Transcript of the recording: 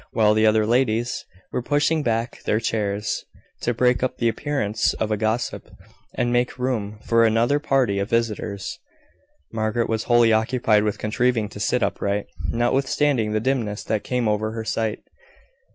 While the other ladies were pushing back their chairs, to break up the appearance of a gossip, and make room for another party of visitors, Margaret was wholly occupied with contriving to sit upright, notwithstanding the dimness that came over her sight.